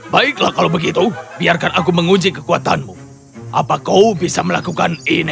baiklah kalau begitu biarkan aku menguji kekuatanmu apa kau bisa melakukan ini